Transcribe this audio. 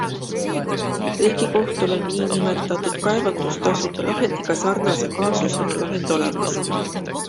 Riigikohtul on niinimetatud kaevandustasude lahendiga sarnase kaasusena lahend olemas.